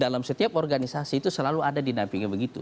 dalam setiap organisasi itu selalu ada dinampingnya begitu